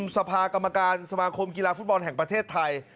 สภากรรมการสมาคมกีฬาฟุตบอลแห่งประเทศไทย